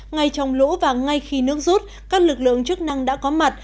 ngay trong lũ và ngay khi nước rút các lực lượng chức năng đã có mặt